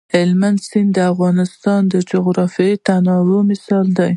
هلمند سیند د افغانستان د جغرافیوي تنوع مثال دی.